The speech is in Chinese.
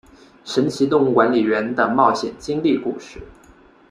神奇动物管理员的冒险经历故事。